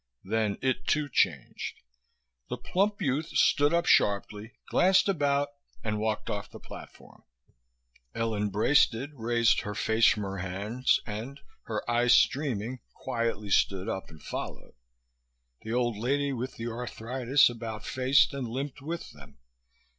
Then it, too, changed. The plump youth stood up sharply, glanced about, and walked off the platform. Ellen Braisted raised her face from her hands and, her eyes streaming, quietly stood up and followed. The old lady with the arthritis about faced and limped with them.